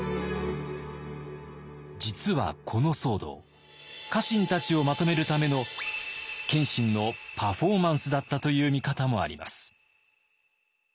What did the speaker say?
実はこの騒動家臣たちをまとめるための謙信のパフォーマンスだったという見方もあります。